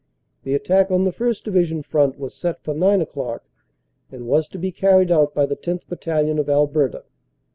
The attack on the 1st. Division front was set for 9 o clock and was to be carried out by the 10th. Battalion, of Alberta.